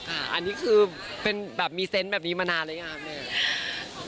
อันนี้คือแบบมีเซ้นซ์แบบนี้มานานอะไรกันนะ